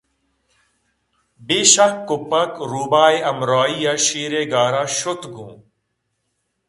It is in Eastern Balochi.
بے شکّ ءُ پکّ روباہ ءِ ہمرائیءَشیرءِ غارءَ شُت گوں